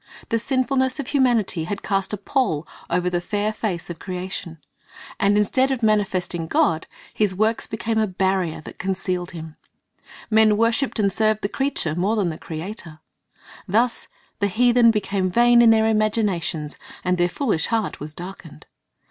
The sinfulness of humanity had cast a pall over the fair face of creation; and instead of manifesting God, His works became a barrier that concealed Him. Men "worshiped and served the creature more than the Creator." Thus the heathen "became vain in their imaginations, and their foolish heart was darkened."